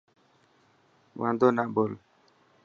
واندو نا ٻول.